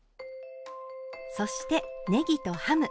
そしてねぎとハム。